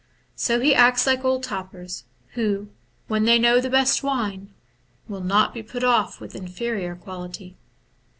So he acts like old topers, who, when they know the best wine, will not be put off with inferior quality.